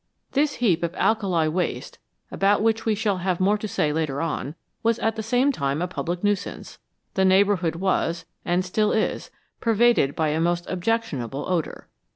This heap of alkali waste, about which we shall have more to say later on, was at the same time a public nuisance ; the neighbourhood was, and still is, pervaded by a most objectionable odour.